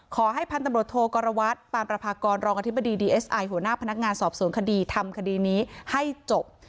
ขอให้พันธุ์ตำรวจโทกรวัตรปานประพากรรองอธิบดีดีเอสไอหัวหน้าพนักงานสอบสวนคดีทำคดีนี้ให้จบ